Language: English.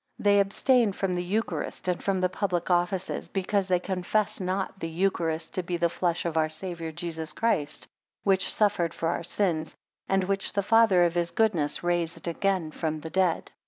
16 They abstain from the eucharist, and from the public offices; because they confess not the eucharist to be the flesh of our Saviour Jesus Christ which suffered for our sins, and which the Father of his goodness raised again from the dead.